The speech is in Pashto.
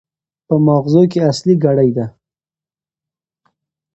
په ماغزو کې اصلي ګړۍ ده.